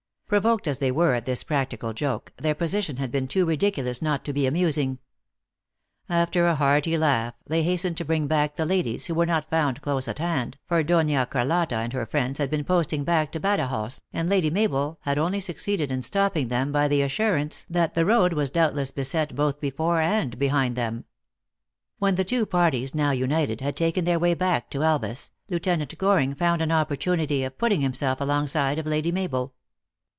Provoked as they were at this practical joke, their position had been too ridiculous not to be amusing. After a hearty langh, they hastened to bring back the ladies, who were not found close at hand, for Dona Carlotta and her friends had been posting back to Badajoz, and Lady Mabel had only succeeded in stopping them by the assurance that the road was doubtless beset, both before and behind them. When the two parties, now united, had taken their way back to Elvas, Lieutenant Goring found an opportunity of putting himself alongside of Lady Mabel.